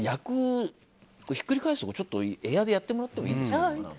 お肉、ひっくり返すところエアでやってもらってもいいですか。